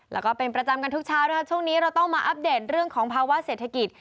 แล้วก็เป็นประจำกันทุกเช้านะคะช่วงนี้เราต้องมาอัปเดตเรื่องของภาวะเศรษฐกิจ